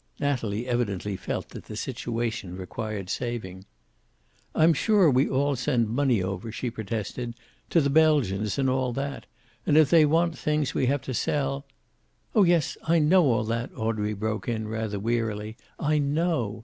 Natalie evidently felt that the situation required saving. "I'm sure we all send money over," she protested. "To the Belgians and all that. And if they want things we have to sell " "Oh, yes, I know all that," Audrey broke in, rather wearily. "I know.